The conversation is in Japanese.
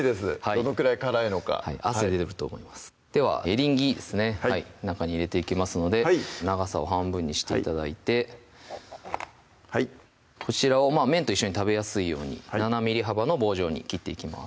どのくらい辛いのか汗出てくると思いますではエリンギですね中に入れていきますので長さを半分にして頂いてこちらを麺と一緒に食べやすいように７ｍｍ幅の棒状に切っていきます